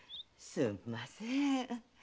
すんません。